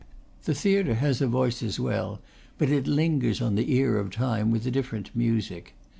The theatre has a voice as well, but it lingers on the ear of time with a different music.